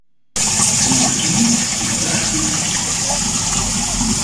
Sedertdien ligt dit vraagstuk op ijs.